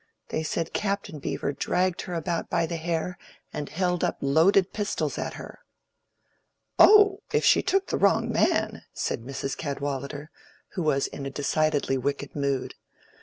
They said Captain Beevor dragged her about by the hair, and held up loaded pistols at her." "Oh, if she took the wrong man!" said Mrs. Cadwallader, who was in a decidedly wicked mood.